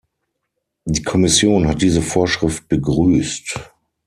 Die Kommission hat diese Vorschrift begrüßt.